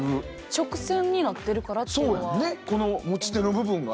直線になってるからっていうのは。